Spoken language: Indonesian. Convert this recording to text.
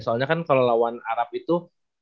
soalnya kan kalau lawan arab itu